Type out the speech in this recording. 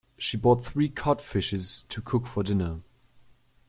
She bought three cod fishes to cook for dinner.